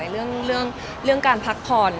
เรื่องการพักผ่อน